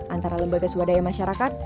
antara lembaga swadaya masyarakat